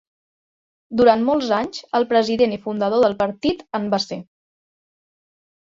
Durant molts anys el president i fundador del partit en va ser.